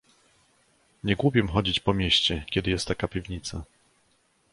"Nie głupim chodzić po mieście, kiedy jest taka piwnica."